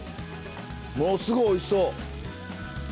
ものすごいおいしそう。